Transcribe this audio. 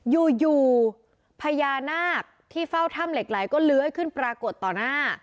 อยู่พญานาคที่เฝ้าถ้ำเหล็กไหลก็เลื้อยขึ้นปรากฏต่อหน้า